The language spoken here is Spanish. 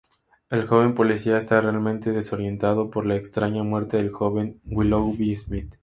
El joven policía está realmente desorientado por la extraña muerte del joven Willoughby Smith.